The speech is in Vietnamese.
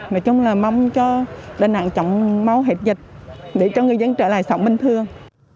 nói chung là mong cho đà nẵng chống mau hết dịch để cho người dân trở lại sống bình thường